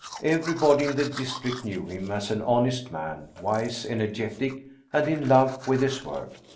Everybody in the district knew him as an honest man, wise, energetic, and in love with his work.